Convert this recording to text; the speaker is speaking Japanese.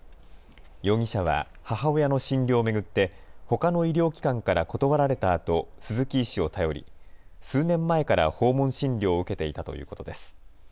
容疑者は母親の診療を巡ってほかの医療機関から断られたあと鈴木医師を頼り数年前から訪問診療を受けていたということです。